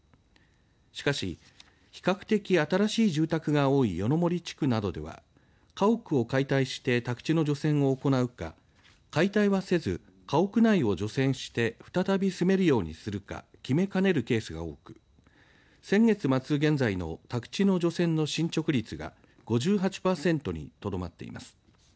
しかし、比較的新しい住宅が多い夜の森地区などでは家屋を解体して宅地の除染を行うか解体はせず、家屋内を除染して再び住めるようにするか決めかねるケースが多く先月末現在の宅地の除染の進捗率が５８パーセントにとどまっています。